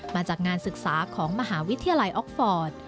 มาจากงานศึกษาของมหาวิทยาลัยออกฟอร์ต